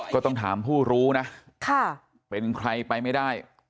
ก็ต้องถามผู้รู้นะเป็นใครไปไม่ได้